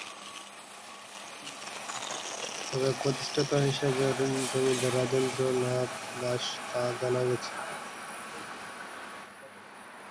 তবে প্রতিষ্ঠাতা হিসেবে জমিদার রাজেন্দ্র নাথ দাস তা জানা গেছে।